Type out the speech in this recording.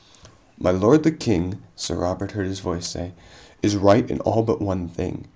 "My lord the King," Sir Robert heard his voice say, "is right in all but one thing.